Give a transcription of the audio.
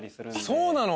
そうなの？